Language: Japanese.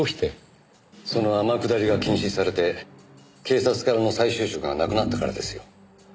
その天下りが禁止されて警察からの再就職がなくなったからですよ。